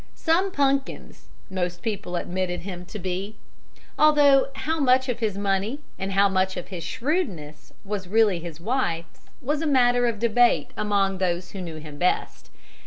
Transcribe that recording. "Some punkins" most people admitted him to be, although how much of his money and how much of his shrewdness was really his wife's was matter of debate among those who knew him best.